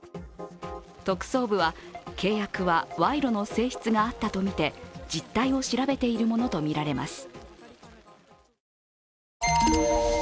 特捜部は、契約は賄賂の性質があったとみて実態を調べているものとみられます。